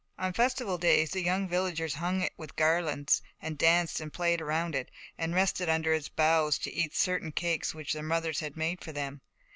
On festival days the young villagers hung it with garlands, danced and played round it, and rested under its boughs to eat certain cakes which their mothers had made for them.